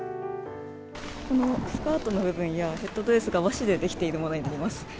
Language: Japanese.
このスカートの部分や、ヘッドドレスが和紙で出来ているものになります。